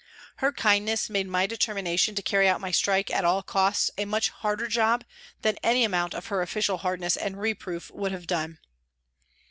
Her kindness made my deter mination to carry out my strike at all costs a much harder job than any amount of her official hardness and reproof would have done.